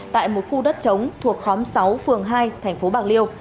tại một khu đất chống thuộc khóm sáu phường hai thành phố bạc liêu